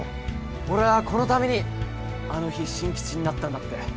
俺ぁこのためにあの日進吉になったんだって。